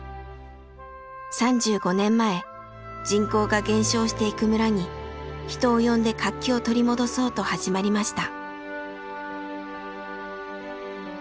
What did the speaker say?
３５年前人口が減少していく村に人を呼んで活気を取り戻そうと始まりました。